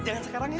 jangan sekarang ya